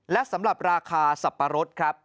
และสำหรับราคาสับปะรดครับ